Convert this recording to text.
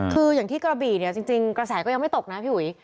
คืออย่างที่กระบี่เนี่ยจริงกระแสก็ยังไม่ตกนะพี่หุย